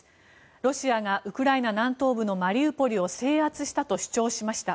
ロシアがウクライナ南東部のマリウポリを制圧したと主張しました。